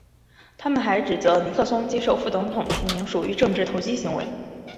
他们还指责尼克松接受副总统提名属于政治投机行为。